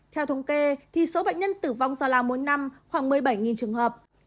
theo thống kê thì số bệnh nhân tử vong do lao mỗi năm khoảng một mươi bảy trường hợp